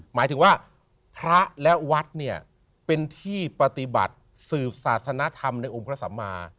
หมายถึงว่าพระและวัดเนี่ยเป็นที่ปฏิบัติสืบศาสนธรรมในองค์พระสัมมา